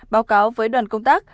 báo cáo với đoàn công tác